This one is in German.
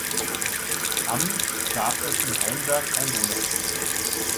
Am gab es in Hainberg Einwohner.